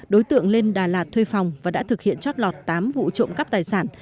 đối tượng lên đà lạt thuê phòng và đã thực hiện chót lọt tám vụ trộm cắp tài sản